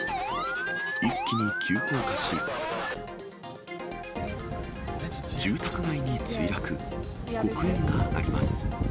一気に急降下し、住宅街に墜落、黒煙が上がります。